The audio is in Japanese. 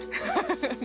フフフフ。